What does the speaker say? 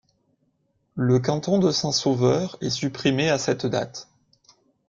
Le canton de Saint-Sauveur est supprimé à cette date.